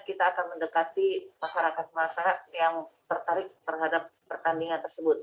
kita akan mendekati masyarakat masyarakat yang tertarik terhadap pertandingan tersebut